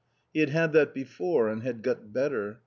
He had had that before and had got better.